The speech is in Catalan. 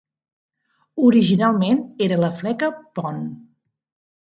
Originàriament era la fleca Pont.